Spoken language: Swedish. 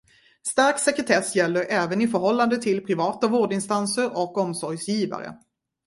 Stark sekretess gäller även i förhållande till privata vårdinstanser och omsorgsgivare.